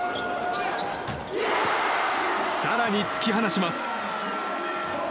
更に突き放します。